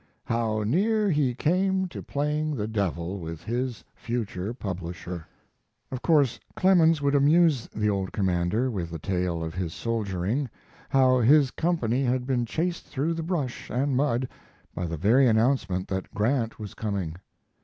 How near he came to playing the devil with his future publisher. Of course Clemens would amuse the old commander with the tale of his soldiering, how his company had been chased through the brush and mud by the very announcement that Grant was coming.